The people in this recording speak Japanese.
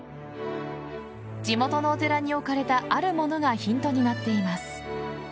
地元のお寺に置かれたあるものがヒントになっています。